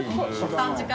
３時間？